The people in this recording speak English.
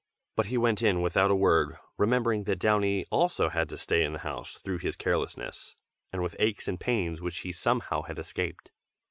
But he went in without a word, remembering that Downy also had to stay in the house through his carelessness, and with aches and pains which he somehow had escaped.